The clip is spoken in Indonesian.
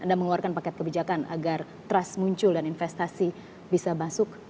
anda mengeluarkan paket kebijakan agar trust muncul dan investasi bisa masuk